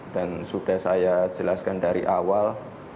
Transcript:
dan sudah saya jelaskan dari awal